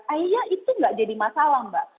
ayah itu gak jadi masalah mbak